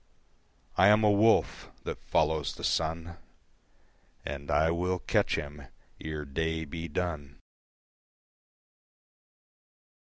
I am a wolf that follows the sun And I will catch him ere day be done.